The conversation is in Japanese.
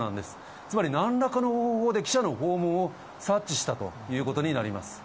つまり、なんらかの方法で、記者の訪問を察知したということになります。